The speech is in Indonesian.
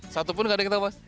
satupun nggak ada yang tahu mas